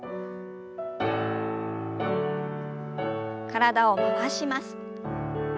体を回します。